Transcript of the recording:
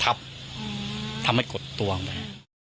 ทับทำให้กดตัวออกไป